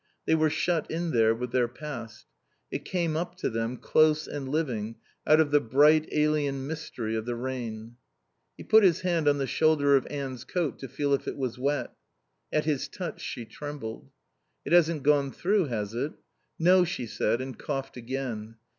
They were shut in there with their past. It came up to them, close and living, out of the bright, alien mystery of the rain. He put his hand on the shoulder of Anne's coat to feel if it was wet. At his touch she trembled. "It hasn't gone through, has it?" "No," she said and coughed again.